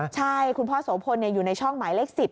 ใช่คุณพ่อโสพลอยู่ในช่องหมายเลข๑๐